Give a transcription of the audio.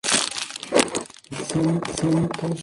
Maudslay fue el primero en describir el sitio de Yaxchilán.